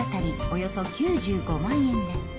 およそ９５万円です。